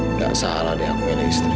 nggak salah deh aku ini istri